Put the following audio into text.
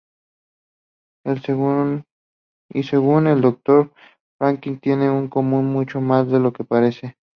Y según el Dr. Franklin “tienen en común mucho más de lo que parece.